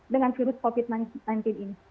dengan virus covid sembilan belas ini